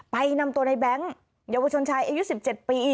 นำตัวในแบงค์เยาวชนชายอายุ๑๗ปี